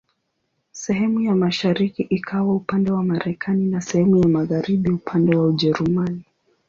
Sehemu ya mashariki ikawa upande wa Marekani na sehemu ya magharibi upande wa Ujerumani.